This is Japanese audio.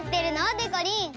でこりん。